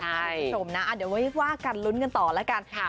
ชมนะเดี๋ยวว่ากันรุ้นกันต่อละกัน